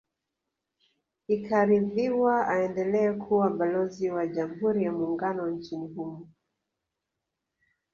Ikaridhiwa aendelee kuwa Balozi wa Jamhuri ya Muungano nchini humo